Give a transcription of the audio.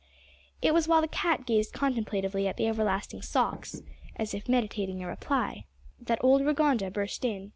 It was while the cat gazed contemplatively at the everlasting socks, as if meditating a reply, that old Rigonda burst in.